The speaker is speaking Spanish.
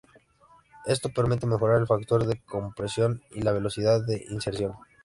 Esto permite mejorar el factor de compresión y la velocidad de inserción.